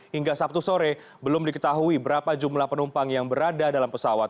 hingga sabtu sore belum diketahui berapa jumlah penumpang yang berada dalam pesawat